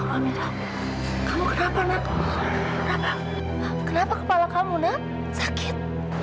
kamu kenapa nak kakak kenapa kepala kamu nak sakit